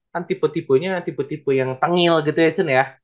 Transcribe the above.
kan tipe tipenya tipe tipe yang tengil gitu ya chon ya